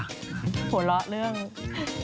หัวเล่าเรื่องที่แรก